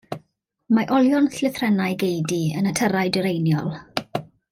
Mae olion llithrennau geudy yn y tyrau dwyreiniol.